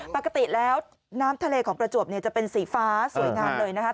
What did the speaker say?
ปกติแล้วน้ำทะเลของประจวบจะเป็นสีฟ้าสวยงามเลยนะครับ